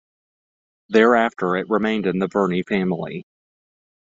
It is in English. Thereafter it remained in the Verney family.